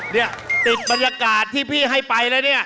เนี่ยติดบรรยากาศที่พี่ให้ไปแล้วเนี่ย